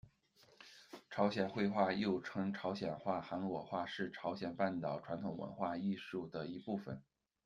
朝鲜绘画，又称朝鲜画、韩国画，是朝鲜半岛传统文化、艺术的一部分。